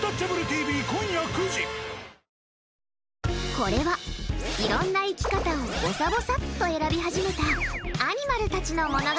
これは、いろんな生き方をぼさぼさっと選び始めたアニマルたちの物語。